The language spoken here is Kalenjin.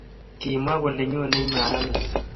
Kimwa kole nyonei maranet